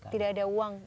tidak ada uang